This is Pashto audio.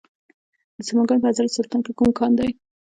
د سمنګان په حضرت سلطان کې کوم کان دی؟